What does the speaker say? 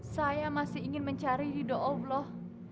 saya masih ingin mencari di doa allah